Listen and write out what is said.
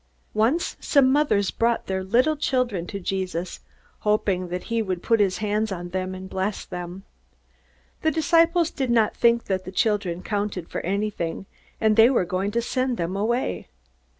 Once some mothers brought their little children to Jesus, hoping that he would put his hands on them and bless them. The disciples did not think that the children counted for anything, and they were going to send them away.